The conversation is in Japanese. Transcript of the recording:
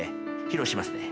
披露しますね。